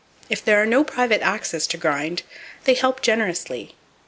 If there are no private axes to grind, they help generously.